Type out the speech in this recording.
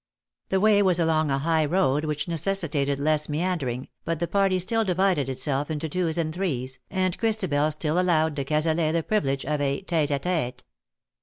The way was along a high road, which necessitated less meandering, but the party still divided itself into twos and threes, and Christabel still allowed de Cazalet the privilege of a tete a tete.